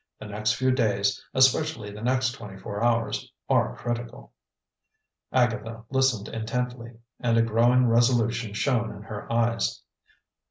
The next few days, especially the next twenty four hours, are critical." Agatha listened intently, and a growing resolution shone in her eyes.